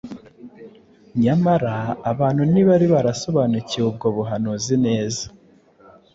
nyamara abantu ntibari barasobanukiwe ubwo buhanuzi neza.